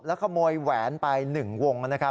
แล้วขโมยแหวนไป๑วง